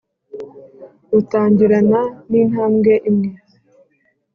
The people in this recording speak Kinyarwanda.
rutangirana n'intambwe imwe